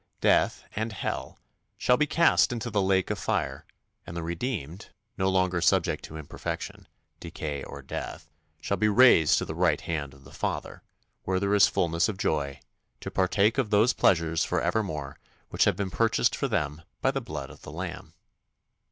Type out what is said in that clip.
Death and hell shall be cast into the lake of fire, and the redeemed, no longer subject to imperfection, decay, or death, shall be raised to the right hand of the Father, where there is fulness of joy; to partake of those pleasures for evermore which have been purchased for them by the blood of the Lamb.